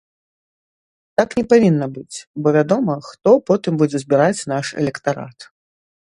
Так не павінна быць, бо вядома хто потым будзе збіраць наш электарат.